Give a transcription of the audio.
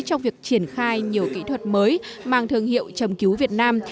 trong việc triển khai nhiều kỹ thuật mới mang thương hiệu trầm cứu việt nam